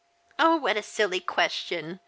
147 " Oh, what a silly question !